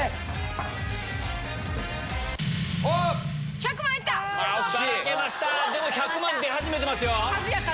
１００万出始めてますよ。